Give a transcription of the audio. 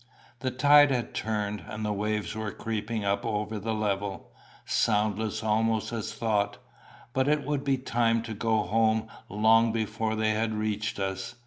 The tide had turned, and the waves were creeping up over the level, soundless almost as thought; but it would be time to go home long before they had reached us.